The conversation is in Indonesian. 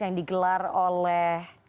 yang digelar oleh